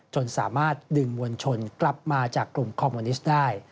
จนสามารถดึงมวลชนกลับมาจากกลุ่มคอมมูนิสต์ได้